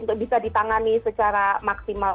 untuk bisa ditangani secara maksimal